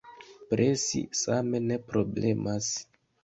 Presi same ne problemas.